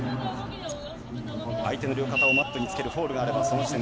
相手の両肩をマットにつけるフォールがあれば。